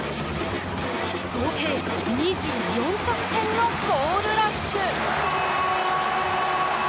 合計２４得点のゴールラッシュ。